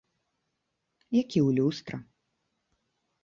Як і ў люстра.